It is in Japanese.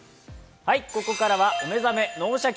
ここからは「お目覚め脳シャキ！